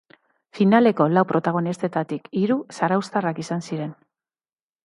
Finaleko lau protagonistetatik hiru zarauztarrak izan ziren.